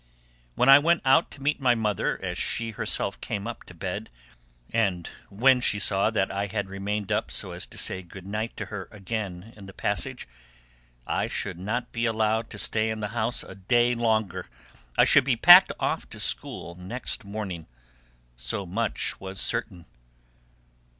When I went out to meet my mother as she herself came up to bed, and when she saw that I had remained up so as to say good night to her again in the passage, I should not be allowed to stay in the house a day longer, I should be packed off to school next morning; so much was certain.